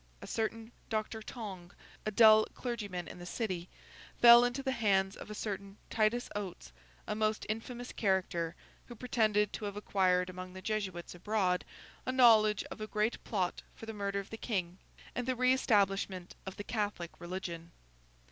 A certain Dr. Tonge, a dull clergyman in the City, fell into the hands of a certain Titus Oates, a most infamous character, who pretended to have acquired among the Jesuits abroad a knowledge of a great plot for the murder of the King, and the re establishment of the Catholic religion.